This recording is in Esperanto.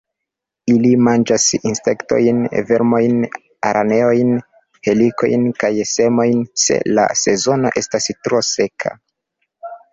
Ili manĝas insektojn, vermojn, araneojn, helikojn kaj semojn, se la sezono estas tro seka.